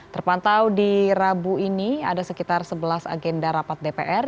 terpantau di rabu ini ada sekitar sebelas agenda rapat dpr